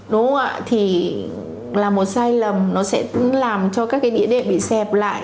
đúng không ạ thì là một sai lầm nó sẽ làm cho các cái địa điểm bị xẹp lại